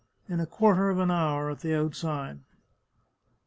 " In a quarter of an hour, at the outside."